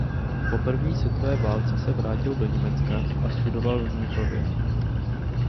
Po první světové válce se vrátil do Německa a studoval v Mnichově.